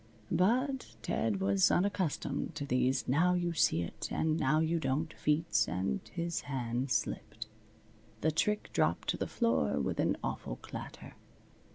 But Ted was unaccustomed to these now you see it and now you don't feats and his hand slipped. The trick dropped to the floor with an awful clatter.